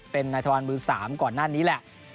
เป็นนายธวัลมือ๓ก่อนหน้านี้แหละ